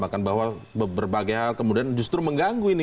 bahkan bahwa berbagai hal kemudian justru mengganggu ini